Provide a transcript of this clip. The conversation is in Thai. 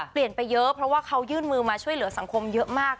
ไปเยอะเพราะว่าเขายื่นมือมาช่วยเหลือสังคมเยอะมาก